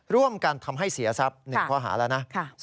ร่วมกันทำให้เสียทรัพย์๑ข้อหาแล้วนะ